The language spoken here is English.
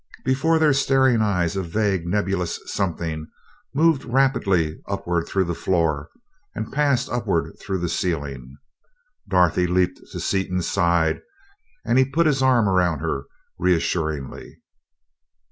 Before their staring eyes a vague, nebulous something moved rapidly upward through the floor and passed upward through the ceiling. Dorothy leaped to Seaton's side and he put his arm around her reassuringly.